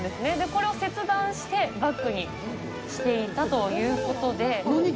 これを切断して、バッグにしていたということで。